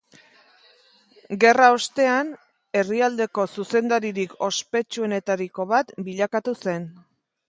Gerra ostean, herrialdeko zuzendaririk ospetsuenetariko bat bilakatu zen.